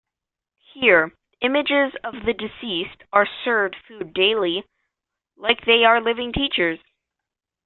Here, images of the deceased are served food daily like they are living teachers.